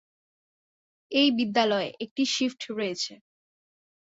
এই বিদ্যালয়ে একটি শিফট রয়েছে।